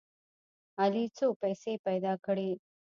علي څو پیسې پیدا کړې.